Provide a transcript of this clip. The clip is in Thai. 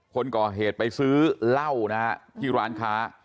คนก่อเหตุไปซื้อเหล้านะฮะที่ร้านค้า